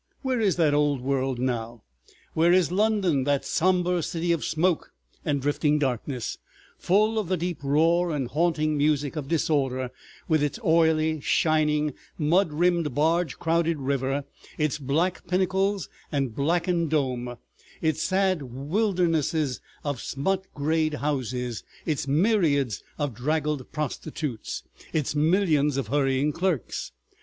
Where is that old world now? Where is London, that somber city of smoke and drifting darkness, full of the deep roar and haunting music of disorder, with its oily, shining, mud rimmed, barge crowded river, its black pinnacles and blackened dome, its sad wildernesses of smut grayed houses, its myriads of draggled prostitutes, its millions of hurrying clerks?